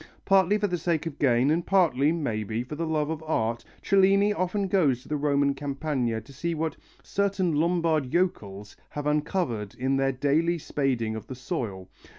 Partly for the sake of gain, and partly, maybe, for the love of art, Cellini often goes to the Roman Campagna to see what "certain Lombard yokels" have uncovered in their daily spading of the soil.